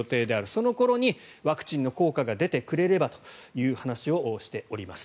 その頃にワクチンの効果が出てくれればという話をしております。